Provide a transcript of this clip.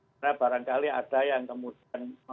karena barangkali ada yang kemudian